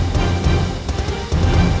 saya mau ke rumah